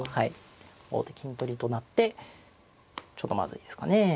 王手金取りとなってちょっとまずいですかね。